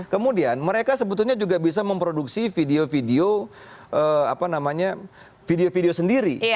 kemudian mereka sebetulnya juga bisa memproduksi video video apa namanya video video sendiri